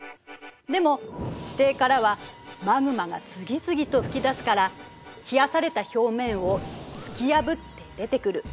でも地底からはマグマが次々と噴き出すから冷やされた表面を突き破って出てくる。